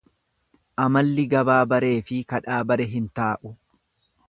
Amalli gabaa bareefi kadhaa bare hin taa'u.